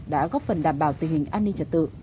đã góp phần đảm bảo tình hình an ninh trật tự